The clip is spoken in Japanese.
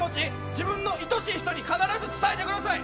自分の愛しい人に必ず伝えてください。